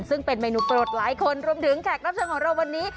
ซึ่งเป็นเมนูโปรดหลายคนรวมถึงแขกรับเชิญของเราวันนี้